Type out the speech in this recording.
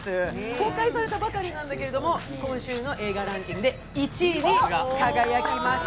公開されたばかりなんだけど、今週の映画ランキングで１位に輝きました。